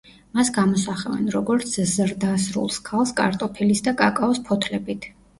მას გამოსახავენ როგორც ზრდასრულს ქალს, კარტოფილის და კაკაოს ფოთლებით.